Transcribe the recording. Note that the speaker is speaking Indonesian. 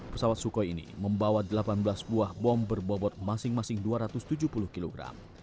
pesawat sukhoi ini membawa delapan belas buah bom berbobot masing masing dua ratus tujuh puluh kg